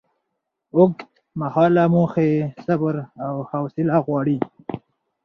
اوږدمهاله موخې صبر او حوصله غواړي.